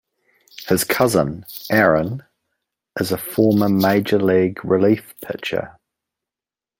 His cousin, Aaron, is a former major league relief pitcher.